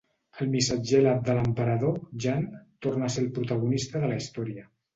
El missatger alat de l'emperador, Jant, torna a ser el protagonista de la història.